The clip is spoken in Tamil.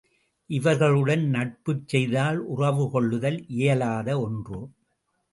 இவர்களுடன் நட்புச் செய்தல் உறவு கொள்ளுதல் இயலாத ஒன்று.